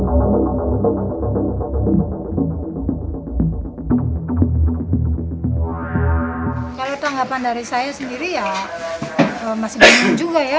kalau tanggapan dari saya sendiri ya masih banyak juga ya